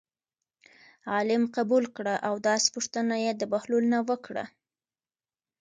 عالم قبول کړه او داسې پوښتنه یې د بهلول نه وکړه.